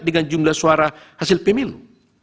dengan jumlah suara hasil pemilu